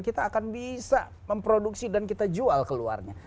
kita akan bisa memproduksi dan kita jual keluarnya